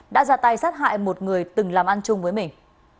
đã ra tay sát hại một người từng làm ăn chung với mình